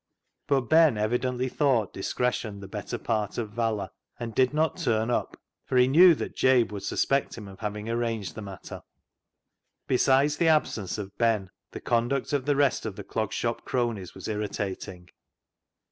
But Ben evidently thought discretion the better part of valour, and did not turn up, for he knew that Jabe would suspect him of having arranged the matter. Besides the absence of Ben, the conduct of the rest of the Clog Shop cronies was irritating.